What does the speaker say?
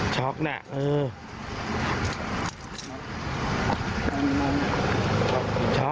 โชคนะเออ